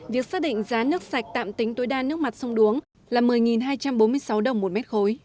việc xác định giá nước sạch tạm tính tối đa nước mặt sông đuống là một mươi hai trăm bốn mươi sáu đồng một mét khối